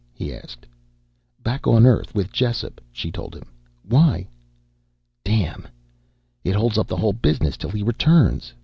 he asked. "Back on Earth with Jessup," she told him. "Why?" "Damn! It holds up the whole business till he returns."